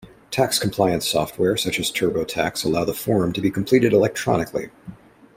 Tax compliance software such as TurboTax allow the form to be completed electronically.